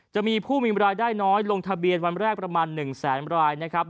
จะมีผู้มีรายได้น้อยลงทะเบียนวันแรกประมาณ๑แสนรายนะครับ